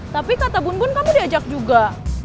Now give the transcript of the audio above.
tapi kata bunbun kamu diajak juga